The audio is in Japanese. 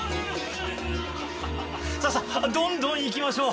さあさあどんどんいきましょう。